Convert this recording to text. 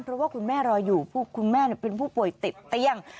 เพราะว่าคุณแม่รออยู่คุณแม่เป็นผู้ป่วยติดเตียง